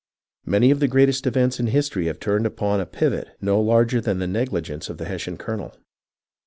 Many of the greatest events in history have turned upon a pivot no larger than the negligence of the Hessian colonel.